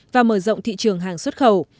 và mở rộng thị trường hàng xuất khẩu